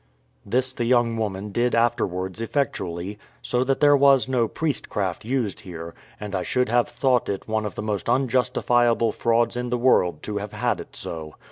This the young woman did afterwards effectually, so that there was no priestcraft used here; and I should have thought it one of the most unjustifiable frauds in the world to have had it so.